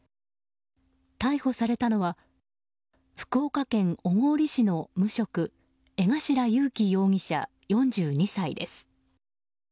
逮捕されたのは福岡県小郡市の無職江頭勇樹容疑者、４２歳です。